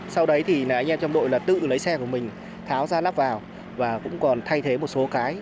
sau đấy thì là anh em trong đội là tự lấy xe của mình tháo ra lắp vào và cũng còn thay thế một số cái